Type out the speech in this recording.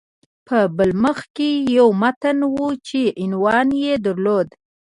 په بل مخ کې یو متن و چې عنوان یې درلود